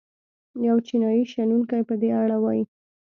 یو چینايي شنونکی په دې اړه وايي.